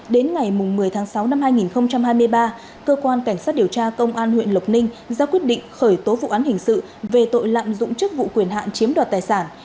đến ngày một mươi tháng sáu năm hai nghìn hai mươi ba cơ quan cảnh sát điều tra công an huyện lộc ninh ra quyết định khởi tố vụ án hình sự về tội lạm dụng chức vụ quyền hạn chiếm đoạt tài sản